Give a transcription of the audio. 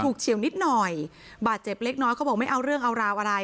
เฉียวนิดหน่อยบาดเจ็บเล็กน้อยเขาบอกไม่เอาเรื่องเอาราวอะไร